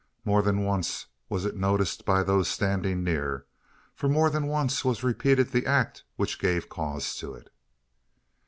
More than once was it noticed by those standing near: for more than once was repeated the act which gave cause to it.